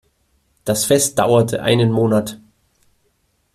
Das Fest dauerte einen Monat.